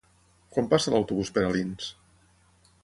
Quan passa l'autobús per Alins?